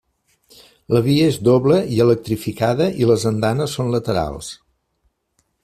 La via és doble i electrificada i les andanes són laterals.